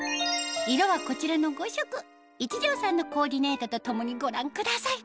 色はこちらの５色壱城さんのコーディネートとともにご覧ください